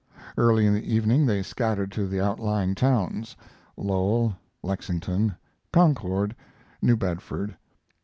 Early in the evening they scattered to the outlying towns, Lowell, Lexington, Concord, New Bedford.